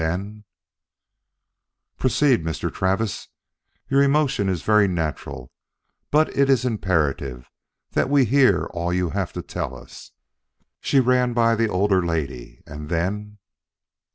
Then " "Proceed, Mr. Travis. Your emotion is very natural; but it is imperative that we hear all you have to tell us. She ran by the older lady, and then?"